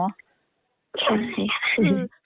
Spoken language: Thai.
ใช่ค่ะ